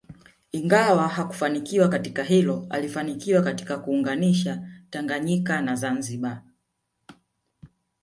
Ingawa hakufanikiwa katika hilo alifanikiwa katika kuunganisha Tanganyika na Zanzibar